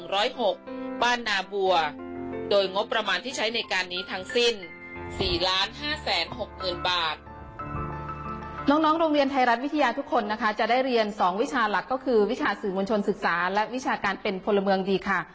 โรงเรียนไทยรัฐวิทยาทุกคนนะคะจะได้เรียน๒วิชาหลักก็คือวิชาสื่อมวลชนศึกษาและวิชาการเป็นพลเมืองดีค่ะ